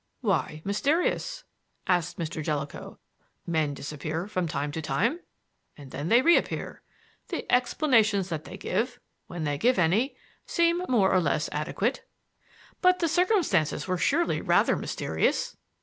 "Why mysterious?" asked Mr. Jellicoe. "Men disappear from time to time, and when they reappear, the explanations that they give (when they give any) seem more or less adequate." "But the circumstances were surely rather mysterious."